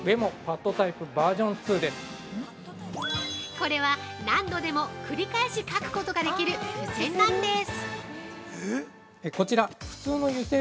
◆これは何度でも繰り返し書くことできる付箋なんです。